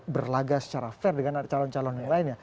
berlaga secara fair dengan calon calon yang lain ya